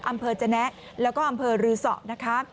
อำเภอจนะแล้วก็อำเภอรือสอนะคะ